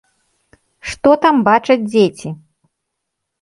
Што там бачаць дзеці?